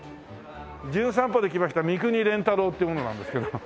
『じゅん散歩』で来ました三國連太郎って者なんですけど。